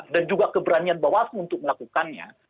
dan juga keberanian bawah untuk melakukannya